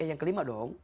ya yang kelima dong